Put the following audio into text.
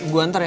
gue antar ya